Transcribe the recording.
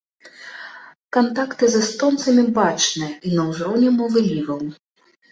Кантакты з эстонцамі бачныя і на ўзроўні мовы ліваў.